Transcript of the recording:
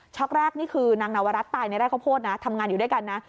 แรกนี่คือนางนวรัฐตายในไร่ข้าวโพดนะทำงานอยู่ด้วยกันนะ